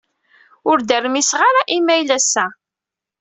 Ur d-rmiseɣ ara imayl ass-a.